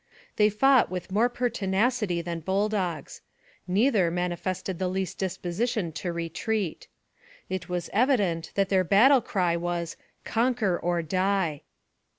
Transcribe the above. They fought with more pertinacity than bull dogs. Neither manifested the least disposition to retreat. It was evident that their battle cry was Conquer or die.